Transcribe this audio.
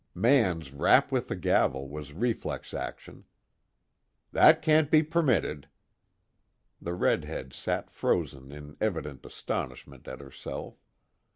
Mann's rap with the gavel was reflex action. "That can't be permitted." The redhead sat frozen in evident astonishment at herself.